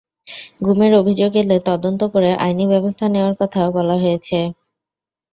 গুমের অভিযোগ এলে তদন্ত করে আইনি ব্যবস্থা নেওয়ার কথা বলা হয়েছে।